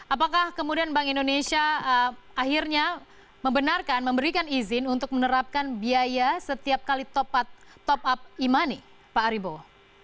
apakah kemudian bank indonesia akhirnya membenarkan memberikan izin untuk menerapkan biaya setiap kali top up e money pak aribowo